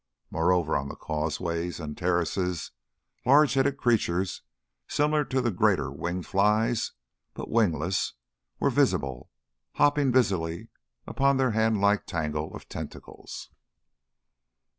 Moreover, on the causeways and terraces, large headed creatures similar to the greater winged flies, but wingless, were visible, hopping busily upon their hand like tangle of tentacles.